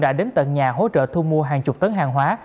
đã đến tận nhà hỗ trợ thu mua hàng chục tấn hàng hóa